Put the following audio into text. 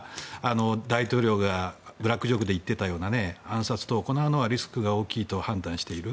大統領がブラックジョークで言っていたような暗殺などはリスクが大きいと判断している。